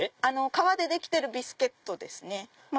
革でできてるビスケットですね。